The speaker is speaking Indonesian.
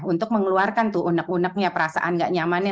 untuk mengeluarkan tuh unek uneknya perasaan gak nyamannya